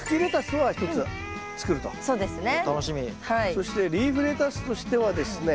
そしてリーフレタスとしてはですね